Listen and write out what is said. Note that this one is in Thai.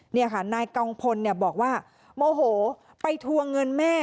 นี่ค่ะนายกองพลบอกว่าโมโหไปทวงเงินแม่